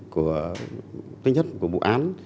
của tính chất của vụ án